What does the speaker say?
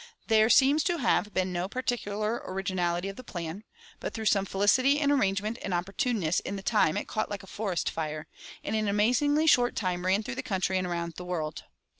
There seems to have been no particular originality in the plan, but through some felicity in arrangement and opportuneness in the time it caught like a forest fire, and in an amazingly short time ran through the country and around the world.